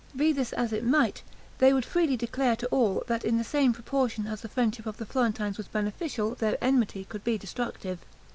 Be this as it might, they would freely declare to all, that in the same proportion as the friendship of the Florentines was beneficial their enmity could be destructive.